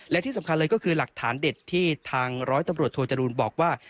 และที่สำคัญเลยก็คือหลักฐานเด็ดที่ทางร้อยตำรวจโทจรูลบอกว่า